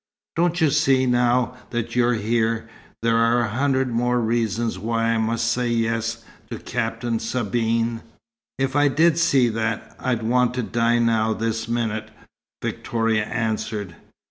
Don't you see, now that you're here, there are a hundred more reasons why I must say 'yes' to Captain Sabine?" "If I did see that, I'd want to die now, this minute," Victoria answered.